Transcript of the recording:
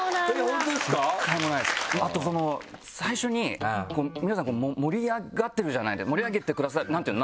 あと最初に皆さん盛り上がってる盛り上げてくださる何ていうの？